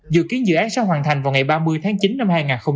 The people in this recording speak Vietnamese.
dự kiến dự án sẽ hoàn thành vào ngày ba mươi tháng chín năm hai nghìn hai mươi